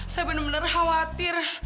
saya bener bener khawatir